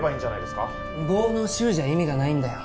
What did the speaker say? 烏合の衆じゃ意味がないんだよ。